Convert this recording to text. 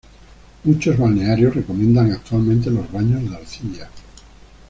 Muchos balnearios recomiendan actualmente los baños de arcilla.